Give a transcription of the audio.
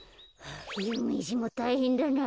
ゆうめいじんもたいへんだな。